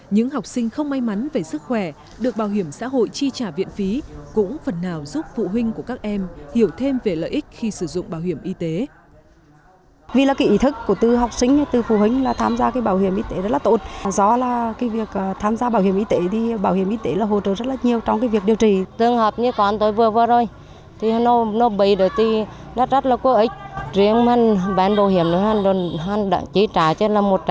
những học sinh không may mắn về sức khỏe được bảo hiểm xã hội chi trả viện phí cũng phần nào giúp phụ huynh của các em hiểu thêm về lợi ích khi sử dụng bảo hiểm y tế